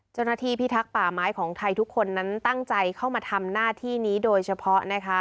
พิทักษ์ป่าไม้ของไทยทุกคนนั้นตั้งใจเข้ามาทำหน้าที่นี้โดยเฉพาะนะคะ